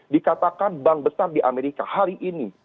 dikatakan bank besar di amerika hari ini